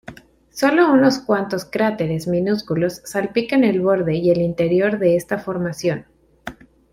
Solo unos cuantos cráteres minúsculos salpican el borde y el interior de esta formación.